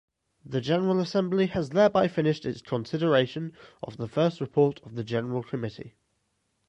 The General Assembly has thereby finished its consideration of the first report of the General Committee.